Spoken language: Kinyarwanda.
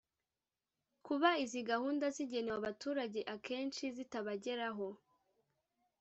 Kuba izi gahunda zigenewe abaturage akenshi zitabageraho